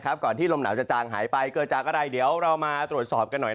ก่อนที่ลมหนาวจะจางหายไปเกิดจากอะไรเดี๋ยวเรามาตรวจสอบกันหน่อย